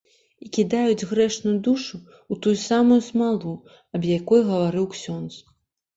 І кідаюць грэшную душу ў тую самую смалу, аб якой гаварыў ксёндз.